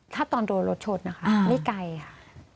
ถ้าตอนโดนรถชนนะคะไม่ไกลค่ะ